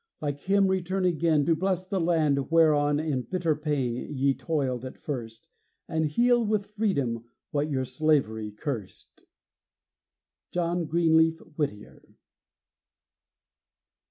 like him return again, To bless the land whereon in bitter pain Ye toiled at first, And heal with freedom what your slavery cursed. JOHN GREENLEAF WHITTIER.